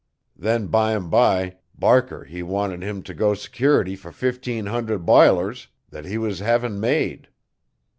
Then bym bye Barker he wanted him t'go security fer fifteen hunderd bilers thet he was hevin' made.